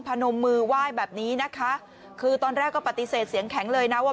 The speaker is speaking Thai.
นมมือไหว้แบบนี้นะคะคือตอนแรกก็ปฏิเสธเสียงแข็งเลยนะว่า